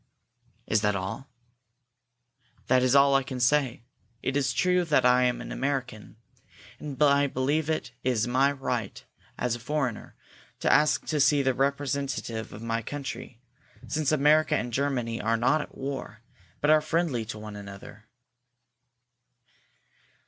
"Is that all?" "That is all I can say. It is true that I am an American, and I believe it is my right, as a foreigner, to ask to see the representative of my country, since America and Germany are not at war, but are friendly one to the other."